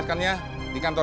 bapak bisa mencoba